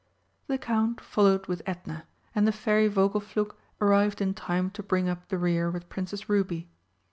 The Count followed with Edna, and the Fairy Vogelflug arrived in time to bring up the rear with Princess Ruby.